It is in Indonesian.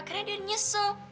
karena dia nyesel